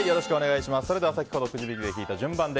それでは先ほどくじ引きで引いた順番で。